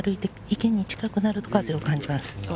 池に近くなると風を感じます。